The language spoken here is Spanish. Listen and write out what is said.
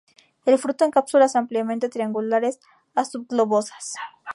El fruto en cápsulas ampliamente triangulares a subglobosas.